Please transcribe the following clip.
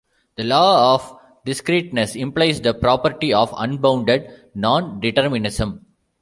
The Law of Discreteness implies the property of unbounded nondeterminism.